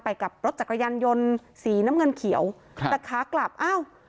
กับรถจักรยานยนต์สีน้ำเงินเขียวครับแต่ขากลับอ้าว